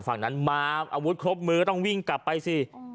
ฝั่งนั้นมาอาวุธครบมือต้องวิ่งกลับไปสิ